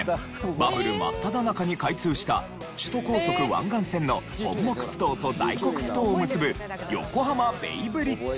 バブル真っただ中に開通した首都高速湾岸線の本牧ふ頭と大黒ふ頭を結ぶ横浜ベイブリッジ。